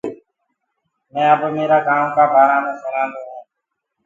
مي اب ميرآ گائونٚ ڪآ بآرآ مي سُڻادو هونٚ۔